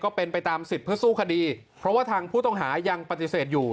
ไปตามสิทธิ์เพื่อสู้คดีเพราะว่าทางผู้ต้องหายังปฏิเสธอยู่